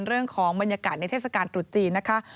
เรื่องของบรรยากาศในเทศกาลตรุจจีนนะคะ